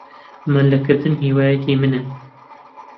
مەلەکردن هیوایەتی منە.